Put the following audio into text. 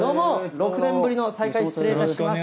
６年ぶりの再会、失礼いたします。